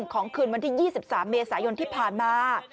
ของคืนวันที่๒๓เมษายนที่ผ่านมา